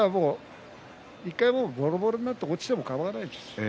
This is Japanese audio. １回ボロボロになって落ちてもかまわないです。